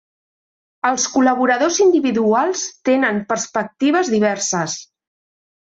Els col·laboradors individuals tenen perspectives diverses.